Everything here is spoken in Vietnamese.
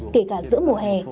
kể cả giữa mùa hè